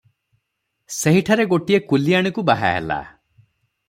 ସେହିଠାରେ ଗୋଟିଏ କୁଲିଆଣୀକୁ ବାହା ହେଲା ।